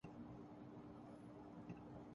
یوں ان کا اضطراب قابل فہم ہے۔